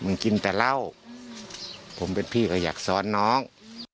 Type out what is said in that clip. มันกินแต่เหล้าผมเป็นพี่ก็อยากซ้อนน้อง